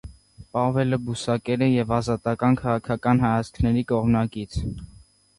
Պավելը բուսակեր է և ազատական քաղաքական հայացքների կողմնակից։